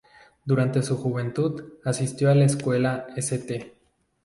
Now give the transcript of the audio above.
Durante su juventud asistió a la escuela St.